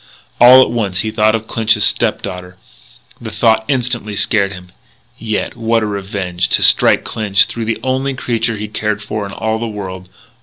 All at once he thought of Clinch's step daughter. The thought instantly scared him. Yet what a revenge! to strike Clinch through the only creature he cared for in all the world!...